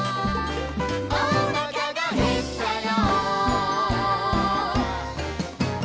「おなかがへったよ」